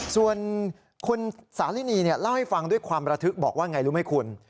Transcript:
ส่วนคุณสาลินีเล่าให้ฟังด้วยความระทึกบอกว่าไงรู้ไหมคุณ